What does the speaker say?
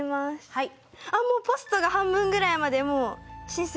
はい。